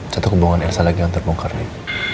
satu hubungan elsa lagi yang terbongkar lien